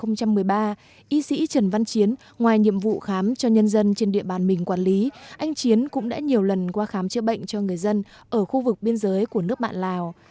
năm hai nghìn một mươi ba y sĩ trần văn chiến ngoài nhiệm vụ khám cho nhân dân trên địa bàn mình quản lý anh chiến cũng đã nhiều lần qua khám chữa bệnh cho người dân ở khu vực biên giới của nước bạn lào